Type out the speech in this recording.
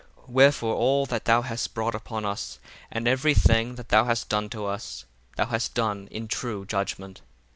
8 Wherefore all that thou hast brought upon us, and every thing that thou hast done to us, thou hast done in true judgment.